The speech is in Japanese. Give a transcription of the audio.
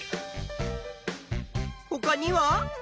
ほかには？